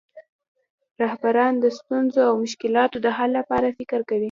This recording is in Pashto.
رهبران د ستونزو او مشکلاتو د حل لپاره فکر کوي.